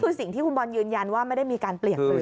คือสิ่งที่คุณบอลยืนยันว่าไม่ได้มีการเปลี่ยนปืน